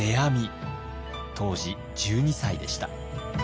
当時１２歳でした。